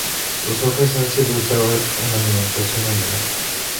Sus hojas han sido usadas en la alimentación animal.